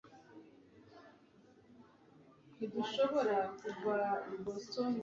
ko nagize umugisha wo kugira